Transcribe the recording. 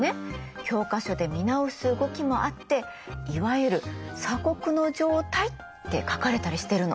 教科書で見直す動きもあって「いわゆる鎖国の状態」って書かれたりしてるの。